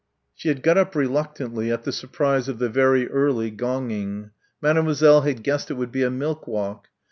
She had got up reluctantly, at the surprise of the very early gonging. Mademoiselle had guessed it would be a "milk walk."